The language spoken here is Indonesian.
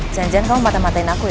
jan jan kamu mata matain aku ya